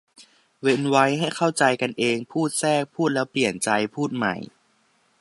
เว้นไว้ให้เข้าใจกันเอง พูดแทรก พูดแล้วเปลี่ยนใจ พูดใหม่